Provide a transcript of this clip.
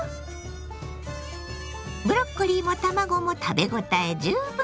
ブロッコリーも卵も食べ応え十分。